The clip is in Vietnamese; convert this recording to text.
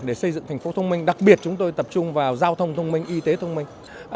để xây dựng thành phố thông minh đặc biệt chúng tôi tập trung vào giao thông thông minh y tế thông minh